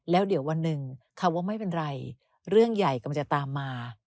แล้วเดี๋ยววันหนึ่งคำว่าไม่เป็นไรเรื่องใหญ่กำลังจะตามมา